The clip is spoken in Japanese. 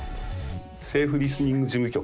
セーフリスニング事務局